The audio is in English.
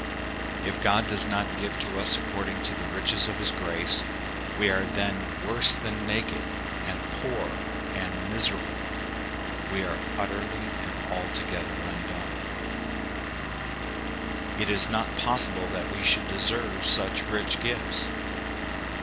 If God does not give to us according to the riches of his grace, we are then worse than naked, and 42 The Promise a Free Gift. poor, and miserable; we are utterly and alto gether undone. It is not possible that we should deserve such rich gifts.